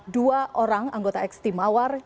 dua orang anggota x team mawar